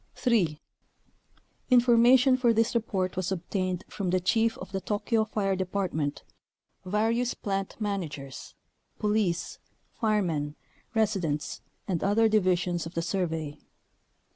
3. Information for this report was obtained from the chief of the Tokyo fire department, various plant managers, police, firemen, resi dents, and other divisions of the Survey.